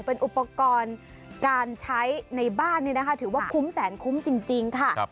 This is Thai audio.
เป็นอุปกรณ์การใช้ในบ้านถือว่าคุ้มแสนคุ้มจริงค่ะ